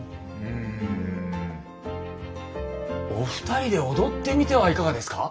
うんお二人で踊ってみてはいかがですか？